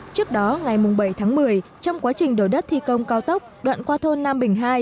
trước đó ngày bảy tháng một mươi trong quá trình đổi đất thi công cao tốc đoạn qua thôn nam bình hai